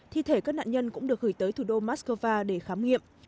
thi thể các nạn nhân cũng được gửi tới thủ đô moscow để khám nghiệm